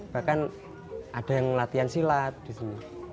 bahkan ada yang latihan silat di sini